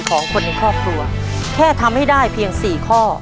ของคนในครอบครัวแค่ทำให้ได้เพียง๔ข้อ